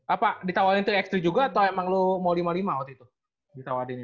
apa ditawarin tiga x tiga juga atau emang lu mau lima puluh lima waktu itu ditawarinnya